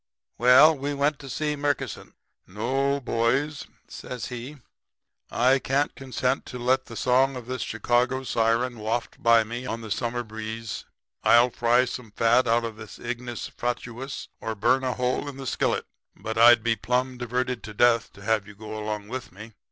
"Well, we went to see Murkison. "'No, boys,' says he. 'I can't consent to let the song of this Chicago siren waft by me on the summer breeze. I'll fry some fat out of this ignis fatuus or burn a hole in the skillet. But I'd be plumb diverted to death to have you all go along with me.